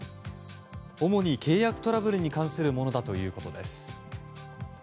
主に契約トラブルに関するものだということです。